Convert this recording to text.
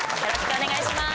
お願いします。